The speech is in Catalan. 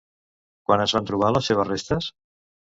Quan es van trobar les seves restes?